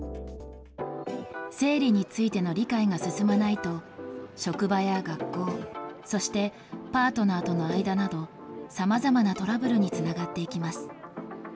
生理についての理解が進まないと、職場や学校、そしてパートナーとの間など、さまざまなトラブルにつながっていきます。